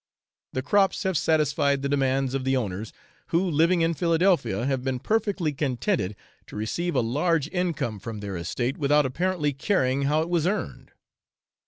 The crops have satisfied the demands of the owners, who, living in Philadelphia, have been perfectly contented to receive a large income from their estate without apparently caring how it was earned.